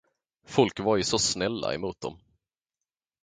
Folk var ju så snälla emot dem.